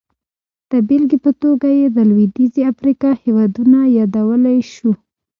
د بېلګې په توګه یې د لوېدیځې افریقا هېوادونه یادولی شو.